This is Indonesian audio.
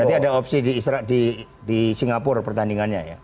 berarti ada opsi di singapura pertandingannya ya